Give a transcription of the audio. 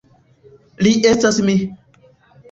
Li estas mi.